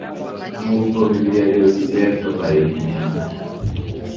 nk'uko bibiliya yose uko yakabaye yigisha